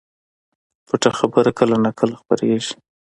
پټه خبره کله نا کله خپرېږي